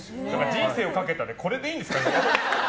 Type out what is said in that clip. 人生をかけたってこれでいいんですか。